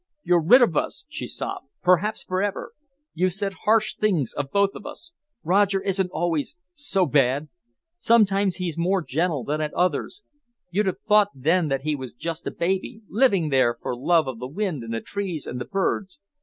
"You're rid of us," she sobbed, "perhaps forever. You've said harsh things of both of us. Roger isn't always so bad. Sometimes he's more gentle than at others. You'd have thought then that he was just a baby, living there for love of the wind and the trees and the birds.